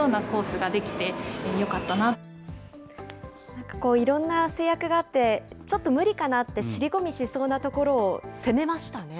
なんかいろんな制約があって、ちょっと無理かなって、尻込みしそうなところを攻めましたね。